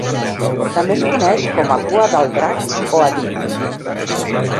També es coneix com a "cua del Drac " o "Adib".